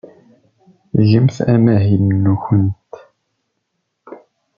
Gemt amahil-nwent.